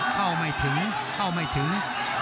เข้าไม่ถึงเข้าไม่ถึง